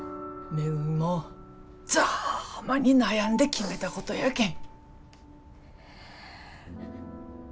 みもざぁまに悩んで決めたことやけん。